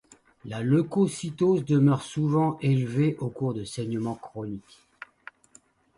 La leucocytose demeure souvent élevée au cours de saignements chroniques.